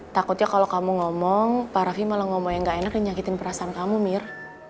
takutnya kalau kamu ngomong pak rafi malah ngomong yang gak enak dan nyakitin perasaan kamu mir